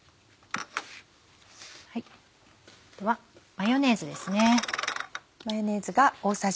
あとはマヨネーズです。